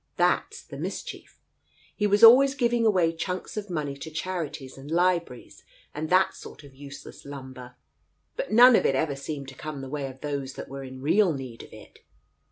That's the mischief. He was always giving away chunks of money to charities and libraries and that sort of useless lumber, but none of it ever seemed to come the way of those that we^e in real need of it.